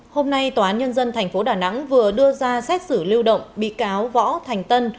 hôm nay tòa án nhân dân tp đà nẵng vừa đưa ra xét xử lưu động bị cáo võ thành tân